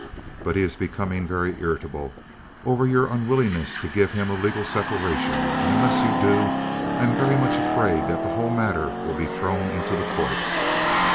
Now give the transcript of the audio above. But he is becoming very irritable over your unwillingness to give him a legal separation, and unless you do I am very much afraid that the whole matter will be thrown into the courts.